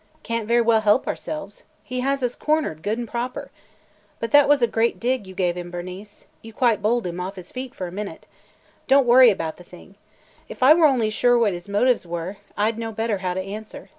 "Can't very well help ourselves. He has us cornered good and proper! But that was a great dig you gave him, Bernice! You quite bowled him off his feet for a minute. Don't worry about the thing. If I were only sure what his motives were, I 'd know better how to answer.